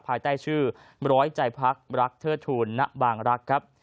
ภายใต้ชื่อร้อยใจพักรักเทิดทูลณบางรักครับ